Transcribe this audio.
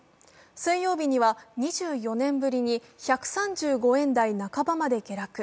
水曜日には２４年ぶりに１３５円台半ばまで下落。